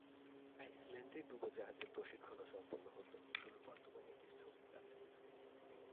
আইসল্যান্ডে ডুবোজাহাজের প্রশিক্ষণও সম্পন্ন হতো, তবে বর্তমানে এটি স্থগিত আছে।